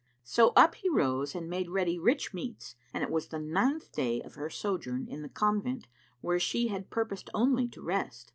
'" So up he rose and made ready rich meats, and it was the ninth day of her sojourn in the convent where she had purposed only to rest.